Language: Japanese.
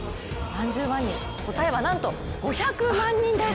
答えはなんと５００万人です。